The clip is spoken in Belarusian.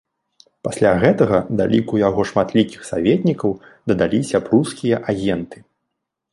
Пасля гэтага да ліку яго шматлікіх саветнікаў дадаліся прускія агенты.